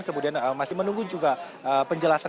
kemudian masih menunggu juga penjelasan